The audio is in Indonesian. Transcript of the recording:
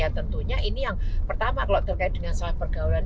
tentunya ini yang pertama kalau terkait dengan salah pergaulan